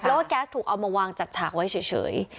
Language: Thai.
เพราะว่าก๊าซถูกเอามาวางจัดฉากไว้เฉย